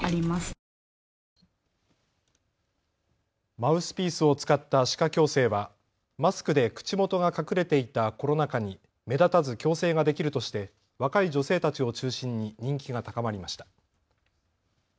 マウスピースを使った歯科矯正はマスクで口元が隠れていたコロナ禍に目立たず矯正ができるとして若い女性たちを中心に人気が高まりました。